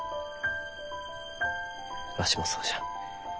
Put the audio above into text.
わしもそうじゃ。